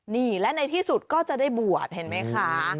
นี่และในที่สุดก็จะได้บวชเห็นไหมคะ